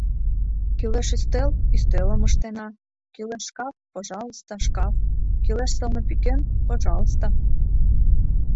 Кӱлеш ӱстел — ӱстелым ыштена, кӱлеш шкаф, пожалуйста, шкаф, кӱлеш сылне пӱкен, пожалуйста!